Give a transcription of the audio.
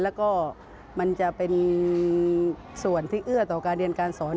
แล้วก็มันจะเป็นส่วนที่เอื้อต่อการเรียนการสอน